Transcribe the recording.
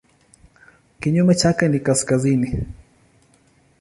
Kinyume chake ni kaskazini.